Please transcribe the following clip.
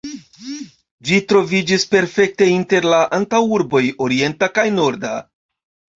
Ĝi troviĝis perfekte inter la antaŭurboj orienta kaj norda.